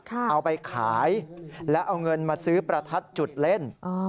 เอาไปขายแล้วเอาเงินมาซื้อประทัดจุดเล่น